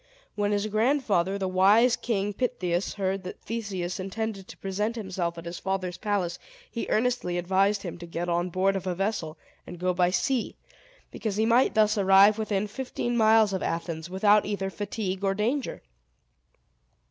When his grandfather, the wise King Pittheus, heard that Theseus intended to present himself at his father's palace, he earnestly advised him to get on board of a vessel, and go by sea; because he might thus arrive within fifteen miles of Athens, without either fatigue or danger.